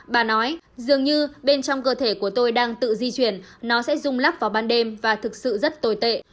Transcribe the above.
bà nói dường như bên trong cơ thể của tôi đang tự di chuyển nó sẽ rung lắc vào ban đêm và thực sự rất tồi tệ